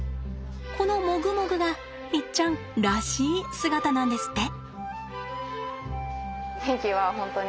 このモグモグがいっちゃんらしい姿なんですって。